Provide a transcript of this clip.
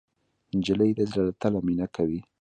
نجلۍ د زړه له تله مینه کوي.